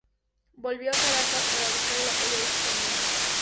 Volvió a Caracas para buscar el apoyo de su familia.